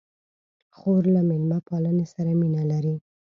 خور له میلمه پالنې سره مینه لري.